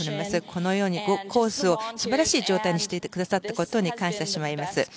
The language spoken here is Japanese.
このようにコースを素晴らしい状態にしてくださったことに感謝します。